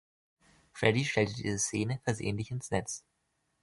Freddie stellte diese Szene versehentlich ins Netz.